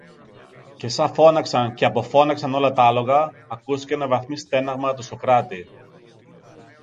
Και σα φώναξαν και αποφώναξαν όλα τ' άλογα, ακούστηκε ένα βαθύ στέναγμα του Σωκράτη.